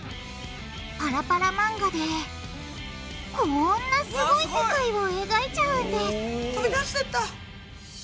パラパラ漫画でこんなすごい世界を描いちゃうんです飛び出してった！